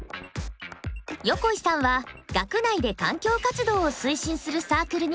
横井さんは学内で環境活動を推進するサークルに所属。